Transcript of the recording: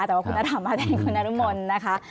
แต่ว่าคุณอารามมาแทนคุณนรมนธรรมนะคะ